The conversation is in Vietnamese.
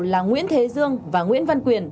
là nguyễn thế dương và nguyễn văn quyền